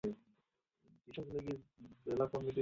আমাদের আলোর দিশারি দীর্ঘজীবী হোক।